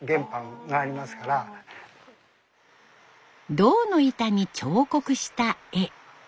銅の板に彫刻した絵。